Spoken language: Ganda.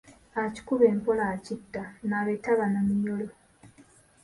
Akikuba empola akitta, nnabe taba na minyolo.